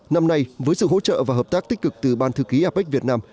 năm nay với sự hỗ trợ và hợp tác tích cực từ ban thư ký apec việt nam